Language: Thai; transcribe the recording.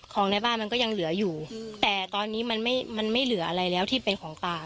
ของในบ้านมันก็ยังเหลืออยู่แต่ตอนนี้มันไม่มันไม่เหลืออะไรแล้วที่เป็นของป่า